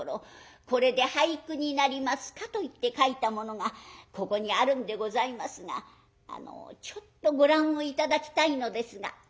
『これで俳句になりますか？』といって書いたものがここにあるんでございますがあのちょっとご覧を頂きたいのですが」。